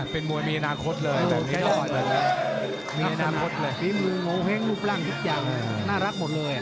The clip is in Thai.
เป็นมัวมีอนาคตเลยมีมือโงเฮ้งรูปร่างทุกอย่างน่ารักหมดเลย